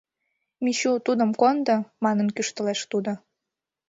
Мичу, тудым кондо!» манын кӱштылеш тудо.